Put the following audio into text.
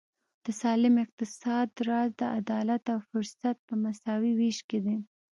د سالم اقتصاد راز د عدالت او فرصت په مساوي وېش کې دی.